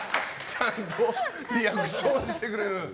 ちゃんとリアクションしてくれる。